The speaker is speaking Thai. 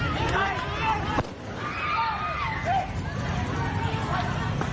เฮ้ยเฮ้ยเฮ้ย